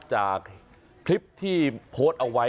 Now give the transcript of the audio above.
จากคลิปที่โพสต์เอาไว้